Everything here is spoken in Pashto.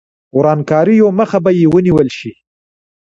ورانکاریو مخه به یې ونیول شي.